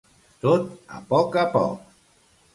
Tot a poc a poc.